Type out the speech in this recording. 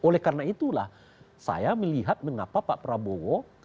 oleh karena itulah saya melihat mengapa pak prabowo